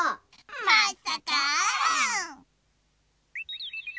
まっさか！